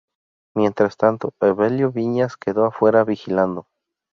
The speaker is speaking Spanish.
Mientras tanto, Evelio Viñas quedó afuera vigilando.